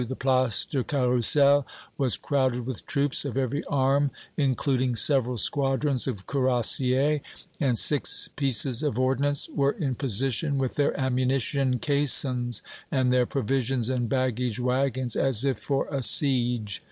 The Place du Carrousel was crowded with troops of every arm, including several squadrons of cuirassiers, and six pieces of ordnance were in position, with their ammunition caissons and their provisions and baggage wagons, as if for a siege.